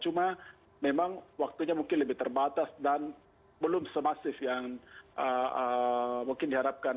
cuma memang waktunya mungkin lebih terbatas dan belum semasif yang mungkin diharapkan